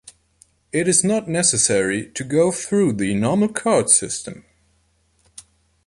It is not necessary to go through the normal court system.